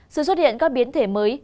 sự xuất hiện các biến thể mới